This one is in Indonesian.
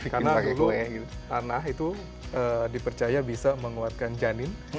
karena dulu tanah itu dipercaya bisa menguatkan janin